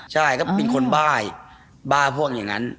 ใช่ก็เป็นคนบ้ายบ้าพ่วงอย่างนั้น